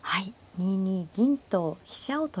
２二銀と飛車を取りました。